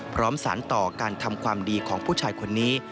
พร้อมสารต่อการทำความดีของผู้ชายคนนี้